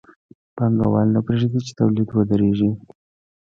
پانګوال نه پرېږدي چې تولید ودرېږي